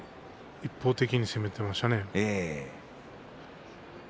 一方的に攻めていきましたね。